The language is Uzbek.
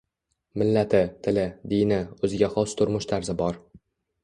Millati, tili, dini, oʻziga xos turmush tarzi bor